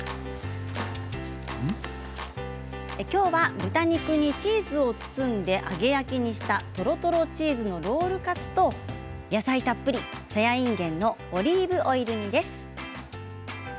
きょうは豚肉にチーズを包んで揚げ焼きにしたとろとろチーズのロールカツと野菜たっぷり、さやいんげんのオリーブオイル煮です。